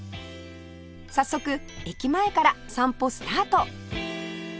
早速駅前から散歩スタート